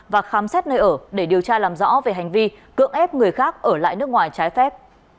và khám xét nơi ở để điều tra làm rõ về hành vi cưỡng ép người khác ở lại nước ngoài trái phép